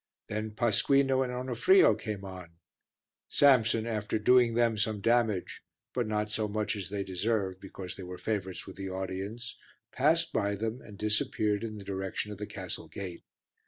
Then Pasquino and Onofrio came on; Samson, after doing them some damage, but not so much as they deserved because they were favourites with the audience, passed by them and disappeared in the direction of the castle gate.